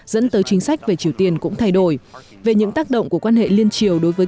dẫn tới chính sách về triều tiên cũng thay đổi về những tác động của quan hệ liên triều đối với